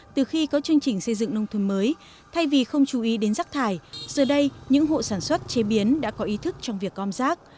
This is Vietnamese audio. trong các chương trình xây dựng nông thuần mới thay vì không chú ý đến rác thải giờ đây những hộ sản xuất chế biến đã có ý thức trong việc ôm rác